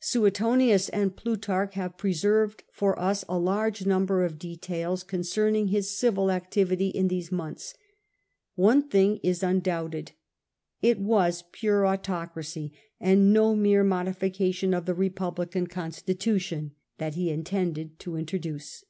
Suetonius and Plutarch have preserved for us a large number of details concerning his civil activity in these months. One thing is undoubted. It was pure autocracy, and no mere modification of the republican constitution, that he intended to introduce.